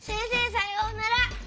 さようなら。